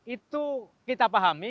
itu kita pahami